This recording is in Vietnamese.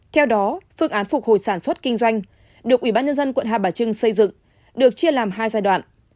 theo đó phương án phục hồi sản xuất kinh doanh được ubnd quận hai bà trưng xây dựng được chia làm hai giai đoạn